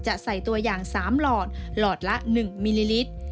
จะใส่ตัวอย่าง๓หลอดหลอดละ๑มิลลิลิตร